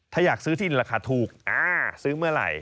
ถ้าอยากซื้อที่ราคาถูกซื้อเมื่อไหร่